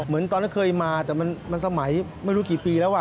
เหมือนตอนนั้นเคยมาแต่มันสมัยไม่รู้กี่ปีแล้ว